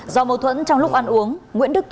do mâu thuẫn trong lúc ăn uống